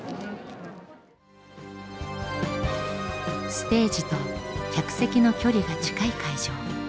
ステージと客席の距離が近い会場。